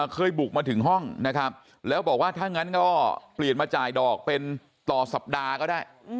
เคยบุกมาถึงห้องนะครับแล้วบอกว่าถ้างั้นก็เปลี่ยนมาจ่ายดอกเป็นต่อสัปดาห์ก็ได้